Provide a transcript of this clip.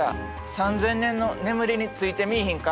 ３，０００年の眠りについてみいひんか？